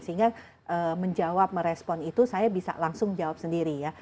sehingga menjawab merespon itu saya bisa langsung jawab sendiri ya